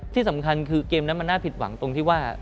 ที่สำคัญคือเกมนั้นมันน่าผิดหวังตรงที่ว่า